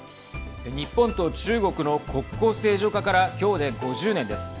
日本と中国の国交正常化から今日で５０年です。